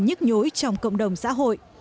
nhức nhối trong cộng đồng xã hội